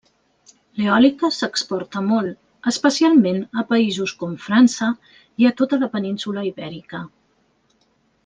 L'eòlica s'exporta molt, especialment a països com França i a tota la península Ibèrica.